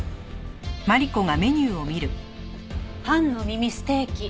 パンの耳ステーキ。